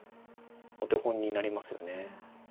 お手本になりますよね。